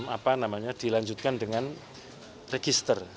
apa namanya dilanjutkan dengan register